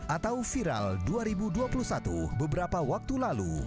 atau viral dua ribu dua puluh satu beberapa waktu lalu